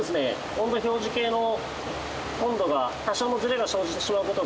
温度表示計の温度が多少のズレが生じてしまう事があるので。